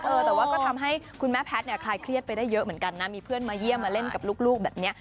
เออแต่ว่าก็ทำให้คุณแม่แพทย์เนี่ยคลายเครียดไปได้เยอะเหมือนกันนะมีเพื่อนมาเยี่ยมมาเล่นกับลูกแบบนี้